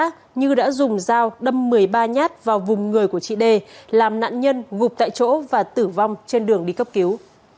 trước đó như đã dùng dao đâm một mươi ba nhát vào vùng người của chị đê làm nạn nhân gục tại chỗ và tử vong trên đường đi cấp cứu